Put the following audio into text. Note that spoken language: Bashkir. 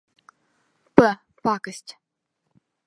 П-пакость...